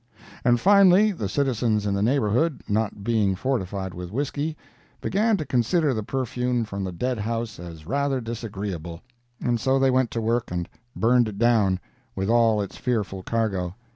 And finally, the citizens in the neighborhood, not being fortified with whiskey, began to consider the perfume from the dead house as rather disagreeable, and so they went to work and burned it down, with all its fearful cargo.